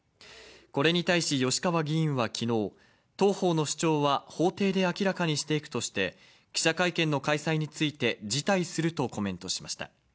これに対し、吉川議員はきのう、当方の主張は法廷で明らかにしていくとして、記者会見の開催について辞退するとコメントしました。